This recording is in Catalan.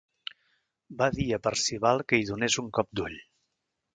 Va dir a Percival que hi donés un cop d'ull.